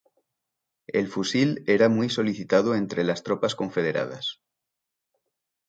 El fusil era muy solicitado entre las tropas confederadas.